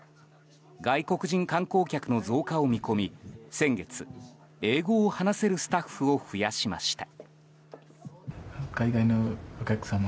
外国人観光客の増加を見込み先月、英語を話せるスタッフを増やしました。